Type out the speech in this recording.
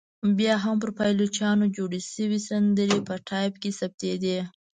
بیا هم پر پایلوچانو جوړې سندرې په ټایپ کې ثبتېدې.